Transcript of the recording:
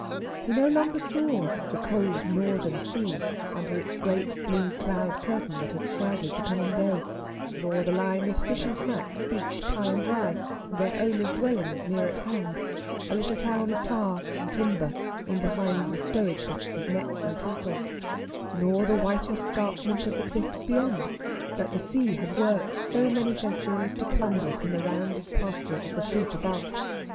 He no longer saw the cold northern sea under its great blue cloud curtain that had shrouded the coming day; nor the line of fishing smacks, beached high and dry, and their owners' dwellings near at hand, a little town of tar and timber in behind the stowage huts of nets and tackle, nor the white escarpment of the cliffs beyond, that the sea had worked so many centuries to plunder from the rounded pastures of the sheep above.